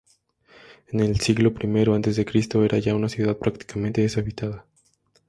En el siglo I a. C. era ya una ciudad prácticamente deshabitada.